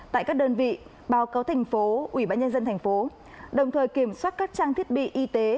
tại các đơn vị báo cáo thành phố ubnd tp đồng thời kiểm soát các trang thiết bị y tế